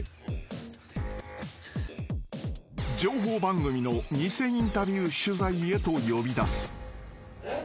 ［情報番組の偽インタビュー取材へと呼び出す］